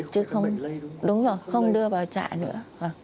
chứ không đưa vào trại nữa